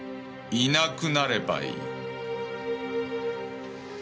いなくなればいい。